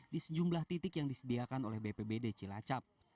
di sejumlah titik yang disediakan oleh bpbd cilacap